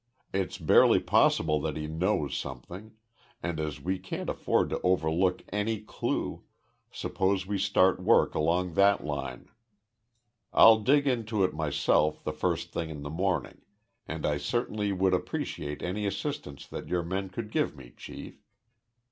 It's barely possible that he knows something, and, as we can't afford to overlook any clue, suppose we start work along that line. I'll dig into it myself the first thing in the morning, and I certainly would appreciate any assistance that your men could give me, Chief.